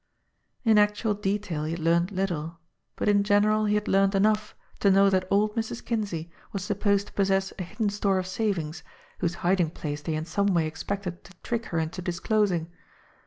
..." In actual detail he had learned little ; but in general he had learned enough to know that old Mrs. Kinsey was supposed to possess a hidden store of savings, whose hiding place they in some way expected to trick her into disclosing.